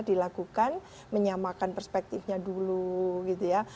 dilakukan menyamakan perspektifnya dulu gitu ya